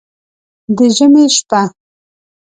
د ژمي شپه